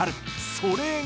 それが。